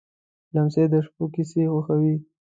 لمسی د شپو کیسې خوښوي.